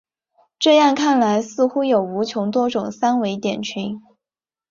这样看来似乎有无穷多种三维点群。